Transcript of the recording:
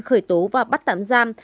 khởi tố và bắt tạm giam